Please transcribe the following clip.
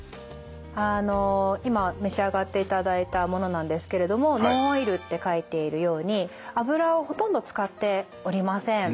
あの今召し上がっていただいたものなんですけれどもノンオイルって書いているように油をほとんど使っておりません。